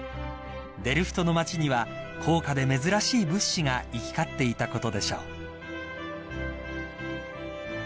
［デルフトの町には高価で珍しい物資が行き交っていたことでしょう］